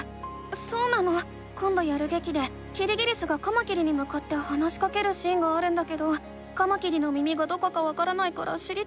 そうなのこんどやるげきでキリギリスがカマキリにむかって話しかけるシーンがあるんだけどカマキリの耳がどこかわからないから知りたいの。